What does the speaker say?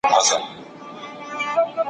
په ځینو سیمو کې کولرا ډېر وژونکی وي.